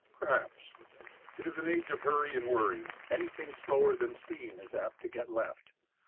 Perhaps. It is an age of hurry and worry. Anything slower than steam is apt to "get left."